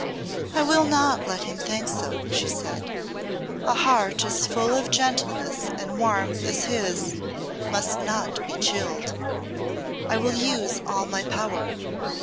"I will not let him think so," she said. "A heart as full of gentleness and warmth as his must not be chilled. I will use all my power.